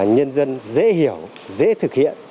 nhân dân dễ hiểu dễ thực hiện